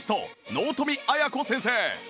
納富亜矢子先生